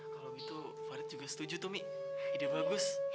kalau gitu farid juga setuju tuh mi ide bagus